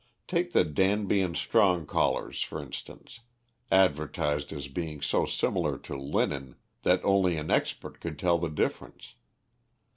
Take the Danby and Strong collars for instance, advertised as being so similar to linen that only an expert could tell the difference.